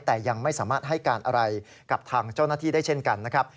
แต่ยังไม่สามารถให้การอะไรกับทางเจ้าหน้าที่ได้เช่นกันนะครับ